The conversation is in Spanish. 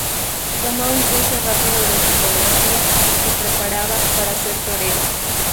Tomó un curso rápido de fotografía y se preparaba para ser torero.